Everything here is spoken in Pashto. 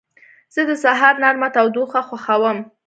زه د سهار نرمه تودوخه خوښوم.